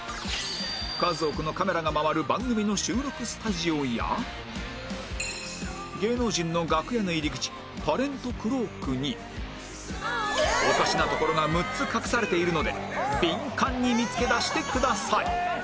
数多くのカメラが回る番組の収録スタジオや芸能人の楽屋の入り口タレントクロークにおかしなところが６つ隠されているのでビンカンに見つけ出してください